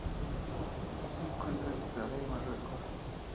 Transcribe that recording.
Se encuentra en Italia y Marruecos.